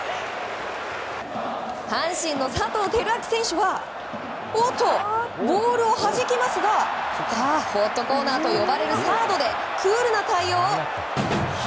阪神の佐藤輝明選手はおっと、ボールを弾きますがホットコーナーと呼ばれるサードでクールな対応。